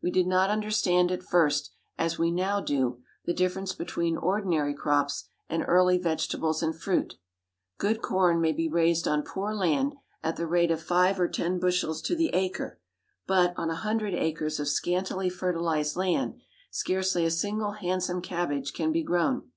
We did not understand at first, as we now do, the difference between ordinary crops and early vegetables and fruits. Good corn may be raised on poor land at the rate of five or ten bushels to the acre; but, on a hundred acres of scantily fertilized land, scarcely a single handsome cabbage can be grown.